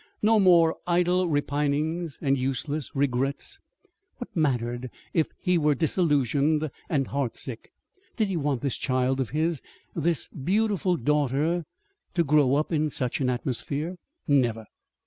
No more idle repinings and useless regrets. What mattered it if he were disillusioned and heartsick? Did he want this child of his, this beautiful daughter, to grow up in such an atmosphere? Never!